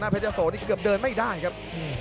เพชรยะโสนี่เกือบเดินไม่ได้ครับ